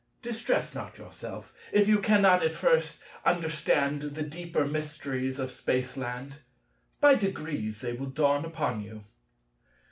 "Distress not yourself if you cannot at first understand the deeper mysteries of Spaceland. By degrees they will dawn upon you.